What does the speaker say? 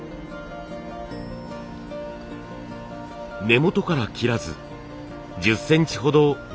根元から切らず１０センチほど残します。